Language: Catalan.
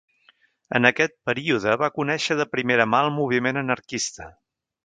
En aquest període va conèixer de primera mà el moviment anarquista.